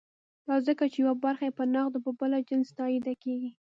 دا ځکه چې یوه برخه یې په نغدو او بله په جنس تادیه کېږي.